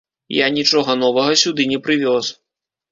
Я нічога новага сюды не прывёз.